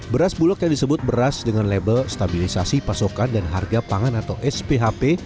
beras bulog yang disebut beras dengan label stabilisasi pasokan dan harga pangan atau sphp